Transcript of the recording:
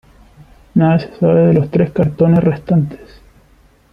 Nada se sabe de los tres cartones restantes.